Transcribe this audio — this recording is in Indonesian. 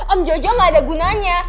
om jojo gak ada gunanya